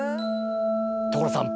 所さん！